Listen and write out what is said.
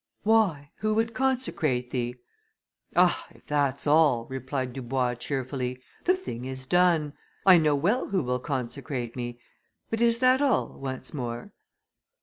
'Why! who would consecrate thee?' 'Ah! if that's all,' replied Dubois, cheerfully, 'the thing is done. I know well who will consecrate me; but is that all, once more?